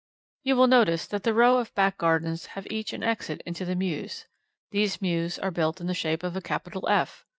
"You will notice that the row of back gardens have each an exit into the mews. These mews are built in the shape of a capital F.